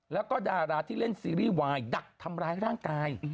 แล้วก็ดาราที่เล่นซีรีส์วายดักทำร้ายร่างกาย